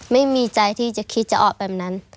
ไม่มีใจที่จะคิดจะออกแบบนั้น